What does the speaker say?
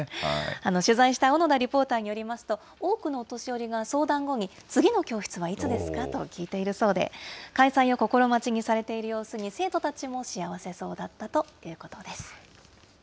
取材した小野田リポーターによりますと、多くのお年寄りが相談後に、次の教室はいつですかと聞いているそうで、開催を心待ちにされている様子に生徒たちも幸せそうだったということです。